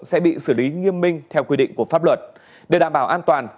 sẽ bị xử lý nghiêm minh theo quy định của pháp luật để đảm bảo an toàn